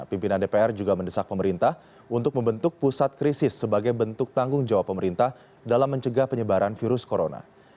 pimpinan dpr juga mendesak pemerintah untuk membentuk pusat krisis sebagai bentuk tanggung jawab pemerintah dalam mencegah penyebaran virus corona